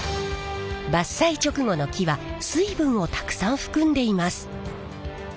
伐採直後の木は水分をたくさん含んでいます。